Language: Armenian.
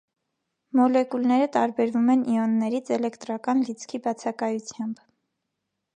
Մոլեկուլները տարբերվում են իոններից էլեկտրական լիցքի բացակայությամբ։